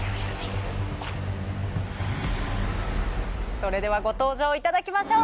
それではご登場いただきましょう！